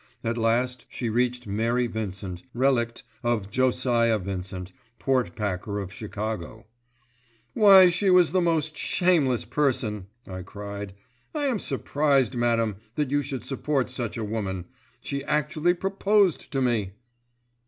At last she reached Mary Vincent, relict of Josiah Vincent, pork packer of Chicago. "Why, she was a most shameless person," I cried. "I am surprised, madam, that you should support such a woman. She actually proposed to me."